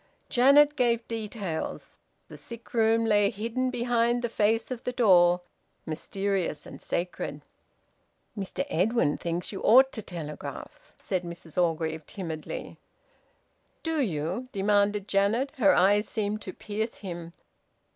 Janet gave details. The sick room lay hidden behind the face of the door, mysterious and sacred. "Mr Edwin thinks you ought to telegraph," said Mrs Orgreave timidly. "Do you?" demanded Janet. Her eyes seemed to pierce him.